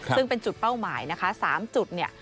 ซึ่งเป็นจุดเป้าหมายนะคะ๓จุดเนี่ย